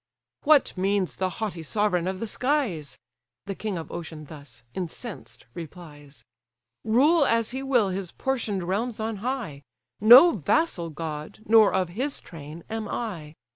"What means the haughty sovereign of the skies? (The king of ocean thus, incensed, replies;) Rule as he will his portion'd realms on high; No vassal god, nor of his train, am I.